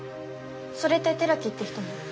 それって寺木って人も？